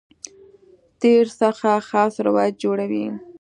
تېر څخه خاص روایت جوړوي.